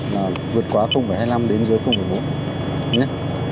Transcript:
là vượt quá hai mươi năm đến dưới bốn